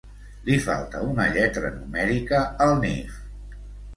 Li falta una lletra numèrica, al Nif.